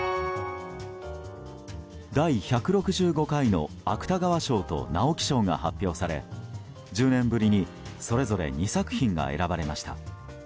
第１６５回の芥川賞と直木賞が発表され１０年ぶりにそれぞれ２作品が選ばれました。